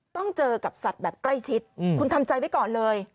ต้องเจอกับสัตว์แบบใกล้ชิดคุณทำใจไว้ก่อนเลย